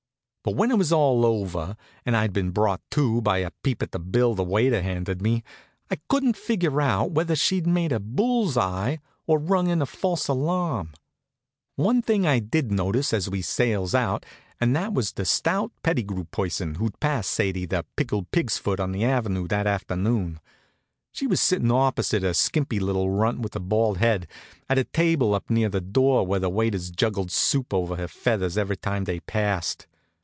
But when it was all over, and I'd been brought to by a peep at the bill the waiter handed me, I couldn't figure out whether she'd made a bull's eye or rung in a false alarm. One thing I did notice, as we sails out, and that was the stout Pettigrew person who'd passed Sadie the pickled pig's foot on the avenue that afternoon. She was sitting opposite a skimpy little runt with a bald head, at a table up near the door where the waiters juggled soup over her feathers every time they passed.